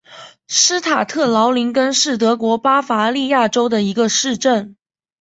施塔特劳林根是德国巴伐利亚州的一个市镇。